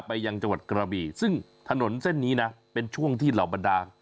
ยังจังหวัดกระบีซึ่งถนนเส้นนี้นะเป็นช่วงที่เหล่าบรรดา